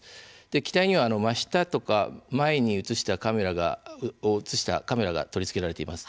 機体には真下とか前を映したカメラが取り付けられています。